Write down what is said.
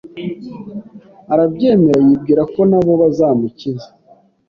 arabyemera yibwira ko nabo bazamukiza